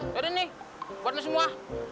yaudah nih buat lu semua